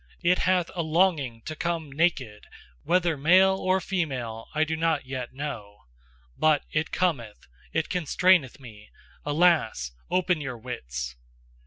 it hath a longing to come NAKED, whether male or female, I do not yet know: but it cometh, it constraineth me, alas! open your wits!